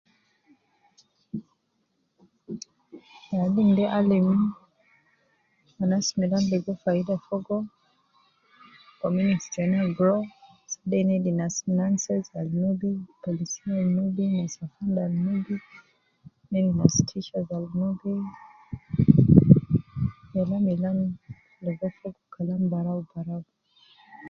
Wadin de alim, anas milan ligo faida fogo, community tena grow, asede ina endis nas nurses al nubi, polisia Nubi nas afande Nubi ,ne endis nas teachers al Nubi, yala milan ligo fogo Kalam baraubarau.